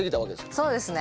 そうですね。